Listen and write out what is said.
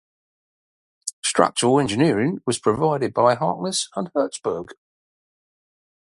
Structural engineering was provided by Harkness and Hertzberg.